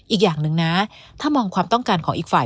อีกอย่างหนึ่งนะถ้ามองความต้องการของอีกฝ่าย